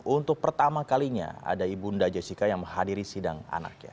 untuk pertama kalinya ada ibu unda jessica yang menghadiri sidang anaknya